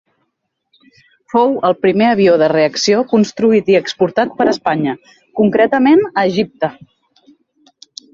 Fou el primer avió de reacció construït i exportat per Espanya, concretament a Egipte.